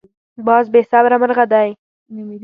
باز بې صبره مرغه دی